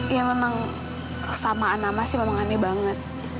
ya memang samaan nama sih memang aneh banget